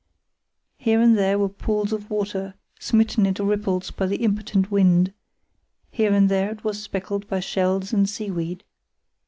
Here and there were pools of water, smitten into ripples by the impotent wind; here and there it was speckled by shells and seaweed.